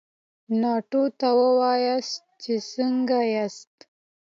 ناټو ته ووایاست چې څنګه ياست؟